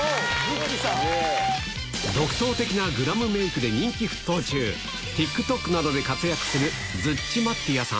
独創的なグラムメイクで人気沸騰中、ＴｉｋＴｏｋなどで活躍するズッチ・マッティアさん。